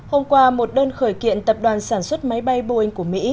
hôm qua một đơn khởi kiện tập đoàn sản xuất máy bay boeing của mỹ